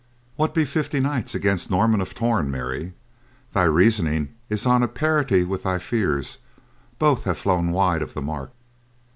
"What be fifty knights against Norman of Torn, Mary? Thy reasoning is on a parity with thy fears, both have flown wide of the mark.